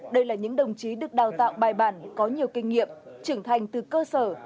đây là những đồng chí được đào tạo bài bản có nhiều kinh nghiệm trưởng thành từ cơ sở